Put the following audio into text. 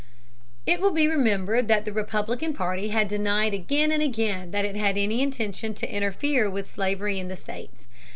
It will be remembered that the Republican party had denied again and again that it had any intention to interfere with slavery in the states.